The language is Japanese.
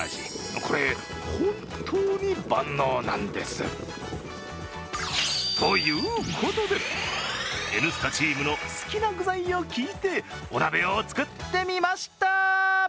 これ、本当に万能なんです。ということで、「Ｎスタ」チームの好きな具材を聞いてお鍋を作ってみました。